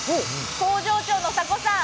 工場長の迫さん